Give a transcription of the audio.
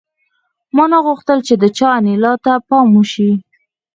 ما نه غوښتل چې د چا انیلا ته پام شي